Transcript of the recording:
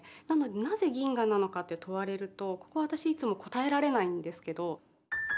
なのでなぜ銀河なのかって問われるとここは私いつも答えられないんですけど。